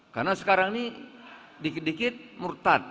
karena sekarang ini dikit dikit murtad